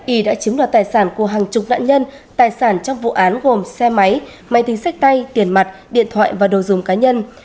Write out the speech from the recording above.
y đã chiếm đoạt tài sản của hàng chục nạn nhân tài sản trong vụ án gồm xe máy máy tính sách tay tiền mặt điện thoại và đồ dùng cá nhân